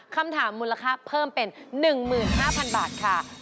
คำถามมูลค่าเพิ่มเป็น๑๕๐๐๐บาทค่ะ